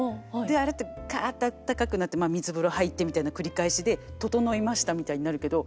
あれってカッとあったかくなって水風呂入ってみたいな繰り返しで整いましたみたいになるけど。